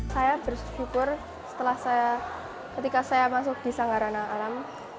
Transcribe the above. saya bersyukur setelah saya ketika saya masuk di sanggarana alam